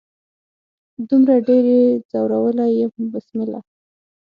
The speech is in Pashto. دومره ډیر يې ځورولي يم بسمله